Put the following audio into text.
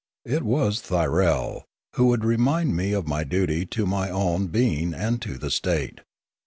It was Thyriel, who would remind me of my duty to my own being and to the state.